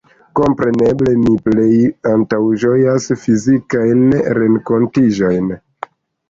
Kompreneble mi plej antaŭĝojas fizikajn renkontiĝojn.